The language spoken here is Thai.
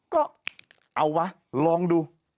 ก็เอาวะลองดู